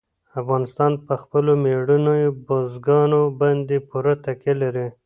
افغانستان په خپلو مېړنیو بزګانو باندې پوره تکیه لري.